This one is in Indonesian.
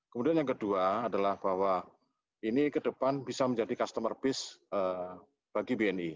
kemudian yang kedua adalah bahwa ini ke depan bisa menjadi customer base bagi bni